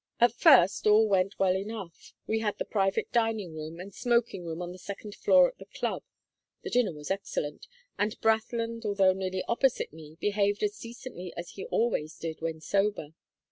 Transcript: "At first all went well enough. We had the private dining room and smoking room on the second floor at the Club, the dinner was excellent, and Brathland, although nearly opposite me, behaved as decently as he always did when sober.